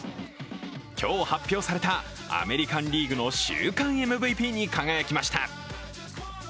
今日発表されたアメリカン・リーグの週間ＭＶＰに輝きました。